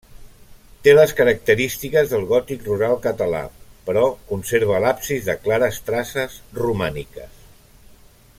Té les característiques del gòtic rural català, però conserva l'absis de clares traces romàniques.